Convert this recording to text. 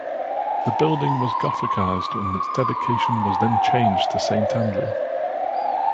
The building was Gothicised and its dedication was then changed to Saint Andrew.